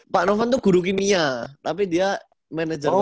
pak novan tuh guru kimia tapi dia manajer basket